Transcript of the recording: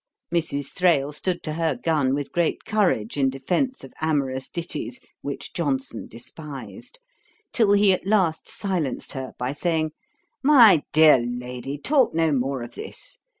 Mrs. Thrale stood to her gun with great courage, in defence of amorous ditties, which Johnson despised, till he at last silenced her by saying, 'My dear Lady, talk no more of this.